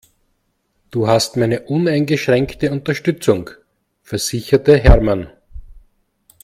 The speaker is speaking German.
Du hast meine uneingeschränkte Unterstützung, versicherte Hermann.